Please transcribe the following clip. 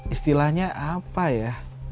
istilahnya apa ya